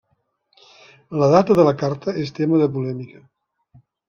La data de la carta és tema de polèmica.